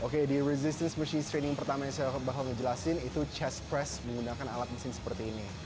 oke di resistance machines training pertama yang saya bakal ngejelasin itu chest press menggunakan alat mesin seperti ini